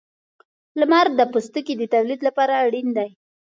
• لمر د پوستکي د تولید لپاره اړین دی.